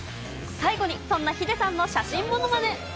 最後に、そんなヒデさんの写真ものまね。